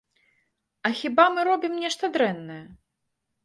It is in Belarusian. А хіба мы робім нешта дрэннае?